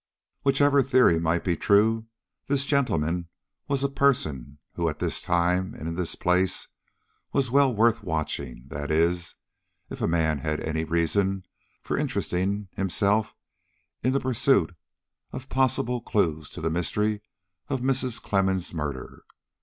Whichever theory might be true, this gentleman was a person who at this time and in this place was well worth watching: that is, if a man had any reason for interesting himself in the pursuit of possible clues to the mystery of Mrs. Clemmens' murder.